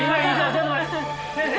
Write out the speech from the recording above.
ちょっと待って先生。